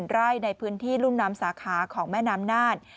ไร่ในพื้นที่รุ่มน้ำสาขาของแม่น้ำน่าน